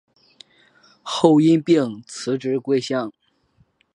后因病辞职归乡。